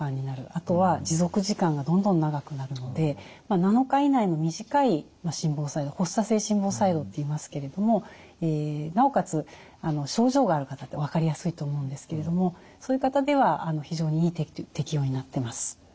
あとは持続時間がどんどん長くなるので７日以内の短い心房細動発作性心房細動っていいますけれどもなおかつ症状がある方って分かりやすいと思うんですけれどもそういう方では非常にいい適応になってます。